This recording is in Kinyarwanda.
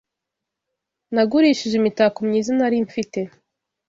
Nagurishije imitako myiza nari mfite.